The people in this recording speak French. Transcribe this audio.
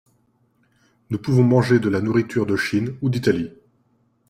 Nous pouvons manger de la nourriture de Chine ou d’Italie.